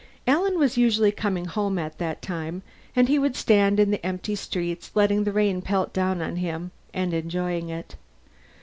Alan was usually coming home at that time, and he would stand in the empty streets letting the rain pelt down on him, and enjoying it.